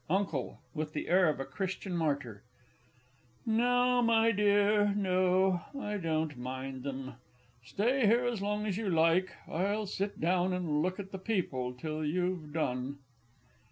UNCLE (with the air of a Christian Martyr). No, my dear, no; I don't mind 'em. Stay here as long as you like. I'll sit down and look at the people till you've done.